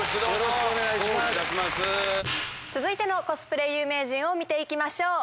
続いてのコスプレ有名人を見て行きましょう。